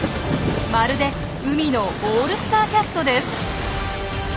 まるで海のオールスターキャストです。